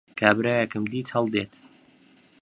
کابرایەکم دیت هەڵدێت